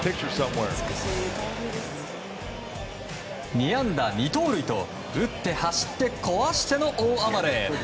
２安打２盗塁と打って走って、壊しての大暴れ！